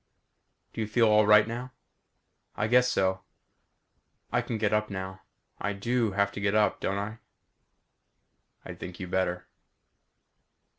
"Do you feel all right now?" "I guess so. I can get up now. I do have to get up, don't I?" "I think you'd better."